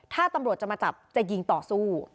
ถ้าตำรวจจะมาจับจะยิงต่อสู้